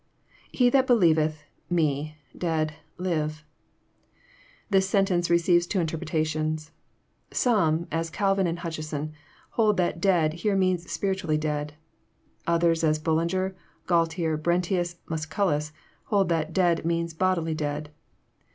[He that beUeveih.,.me,..dead.,Mve,'\ This sentence receives two interpretations. Some, as Calvin and Hutcheson, hold that " dead " here means spiritually dead. Others, as Bulllnger, Gual ter, Brentitus, Musculus, hold that " dead " means bodily dead.